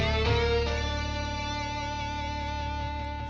kamu berdua apes